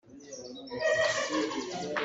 Awnem tein a holh.